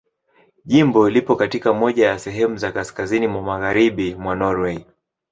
Jimbo lipo katika moja ya sehemu za kaskazini mwa Magharibi mwa Norwei.